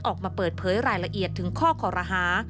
ออกมาเปิดเผยรายละเอียดถึงข้อคอรหา